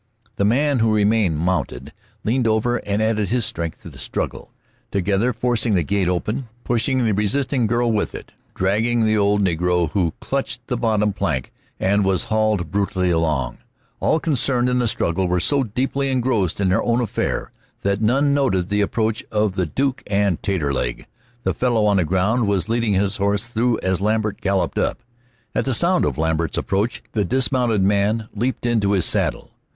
The man who remained mounted leaned over and added his strength to the struggle, together forcing the gate open, pushing the resisting girl with it, dragging the old negro, who clutched the bottom plank and was hauled brutally along. All concerned in the struggle were so deeply engrossed in their own affair that none noted the approach of the Duke and Taterleg. The fellow on the ground was leading his horse through as Lambert galloped up. At the sound of Lambert's approach the dismounted man leaped into his saddle.